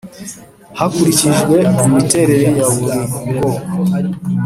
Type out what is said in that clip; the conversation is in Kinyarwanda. hakurikijwe imiterere ya buri bwoko